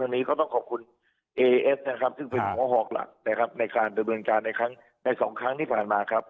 มันลงทุนเยอะไหม